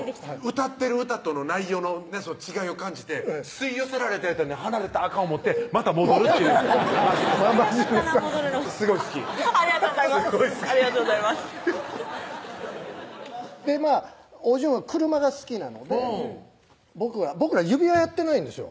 歌ってる歌との内容の違いを感じて「吸い寄せられた」言うてんのに離れたらあかん思ってまた戻るっていう真面目さ真面目さすごい好きありがとうございますおじゅんは車が好きなので僕ら指輪やってないんですよ